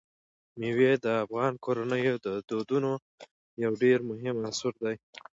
مېوې د افغان کورنیو د دودونو یو ډېر مهم عنصر دی.